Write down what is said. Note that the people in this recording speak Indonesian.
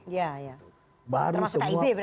termasuk kaib berarti